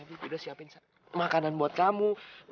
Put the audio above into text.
udah siapin makanan buat kamu